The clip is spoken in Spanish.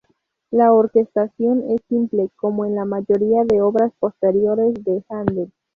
La orquestación es simple, como en la mayoría de obras posteriores de Händel.